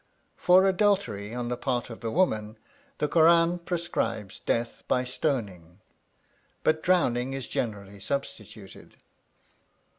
For adultery on the part of the woman the Kur ân prescribes death by stoning, but drowning is generally substituted.